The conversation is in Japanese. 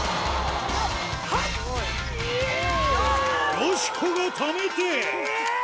よしこがためてやぁ！